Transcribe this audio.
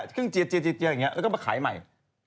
เครื่องเจียเจียอย่างนี้ก็มาขายใหม่